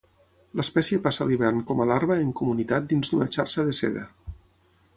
L'espècie passa l'hivern com a larva en comunitat dins d'una xarxa de seda.